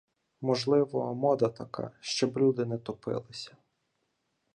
Можливо, мода така, щоб люди не топилися